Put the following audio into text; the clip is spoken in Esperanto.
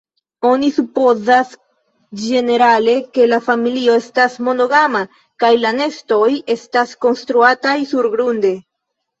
Oni supozas ĝenerale, ke la familio estas monogama, kaj la nestoj estas konstruataj surgrunde.